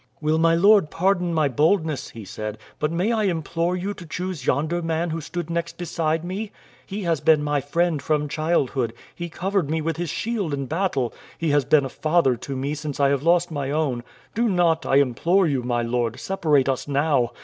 "Will my lord pardon my boldness," he said, "but may I implore you to choose yonder man who stood next beside me? He has been my friend from childhood, he covered me with his shield in battle, he has been a father to me since I have lost my own. Do not, I implore you, my lord, separate us now.